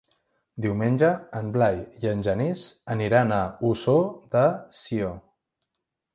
Diumenge en Blai i en Genís aniran a Ossó de Sió.